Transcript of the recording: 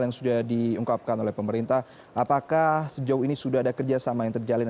yang sudah diungkapkan oleh pemerintah apakah sejauh ini sudah ada kerjasama yang terjalin